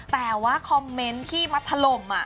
แต่ว่าคอมเมนต์ที่มาถล่ม